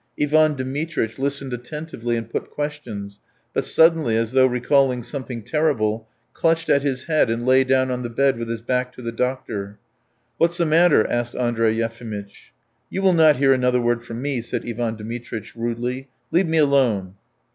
Ivan Dmitritch listened attentively and put questions, but suddenly, as though recalling something terrible, clutched at his head and lay down on the bed with his back to the doctor. "What's the matter?" asked Andrey Yefimitch. "You will not hear another word from me," said Ivan Dmitritch rudely. "Leave me alone."